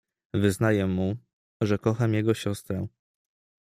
"Wyznaję mu, że kocham jego siostrę."